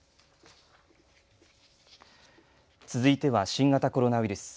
続いては新型コロナウイルス。